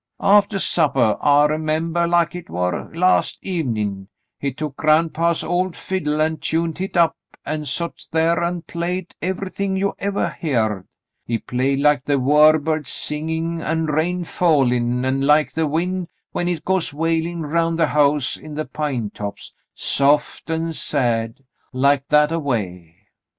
Aftah suppah — I remember like hit war last evenin' — he took gran'paw's old fiddle an' tuned hit up an' sot thar an* played everything you evah heered. He played like the' war birds singin' an' rain fallin', an' like the wind when hit goes wailin' round the house in the pine tops — soft an' sad — like that a way.